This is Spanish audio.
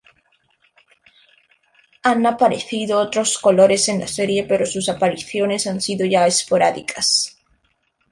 Han aparecido otros colores en la serie, pero sus apariciones han sido ya esporádicas.